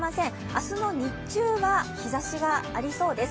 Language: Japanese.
明日の日中は日差しがありそうです。